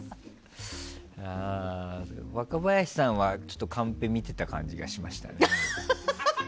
若林さんはちょっとカンペ見てた感じがしましたね。